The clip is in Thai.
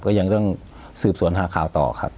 ยังต้องสืบสวนหาข่าวต่อครับ